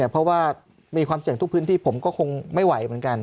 เพราะว่ามีความเสี่ยงทุกพื้นที่ผมก็คงไม่ไหวเหมือนกัน